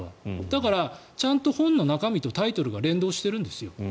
だから、ちゃんと本の中身とタイトルが連動してるんですよ。